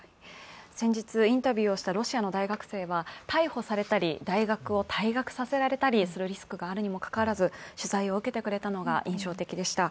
先日インタビューをしたロシアの大学生は逮捕されたり、大学を退学させたりするリスクがあるにもかかわらず取材を受けてくれたのが印象的でした。